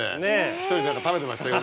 １人で何か食べてましたよ